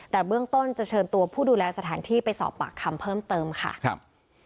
แต่เบื้องต้นจะเชิญตัวผู้ดูแลสถานที่ไปสอบปากคำเพิ่มเติมค่ะครับ